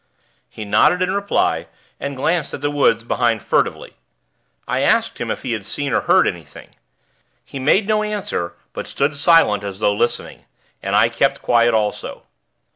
He nodded in reply, and glanced at the woods behind furtively. I asked him if he had seen or heard anything. He made no answer; but stood silent, as though listening, and I kept quiet also.